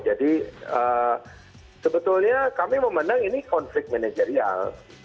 jadi sebetulnya kami memenang ini konflik manajerial